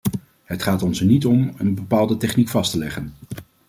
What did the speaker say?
Het gaat ons er niet om een bepaalde techniek vast te leggen.